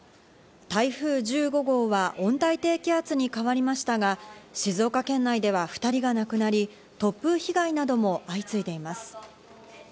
台風１５号は温帯低気圧に変わりましたが静岡県内では２人が亡くなり、突風被害なども相次いでいます。